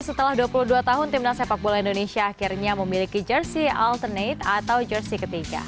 setelah dua puluh dua tahun timnas sepak bola indonesia akhirnya memiliki jersey alternate atau jersi ketiga